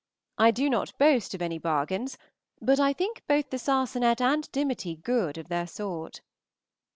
I do not boast of any bargains, but think both the sarsenet and dimity good of their sort.